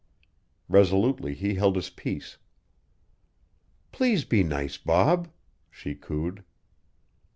Resolutely he held his peace. "Please be nice, Bob," she cooed.